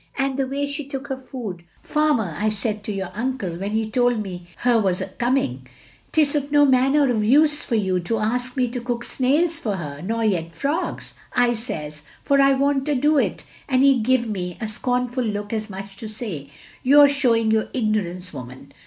And the way she took her food !* Farmer, ' OF GROSVENOR SQUARE 379 I said to your tmcle, when he told me her was a coming, * 'T is no maxmer of use for you to ask me to cook snails for her, nor yet frogs/ I says, 'for I won't ado it,' and he give me a scornful look, as much as to say, * You 're showing your ignorance, woman.'